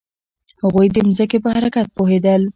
هغوی د ځمکې په حرکت پوهیدل.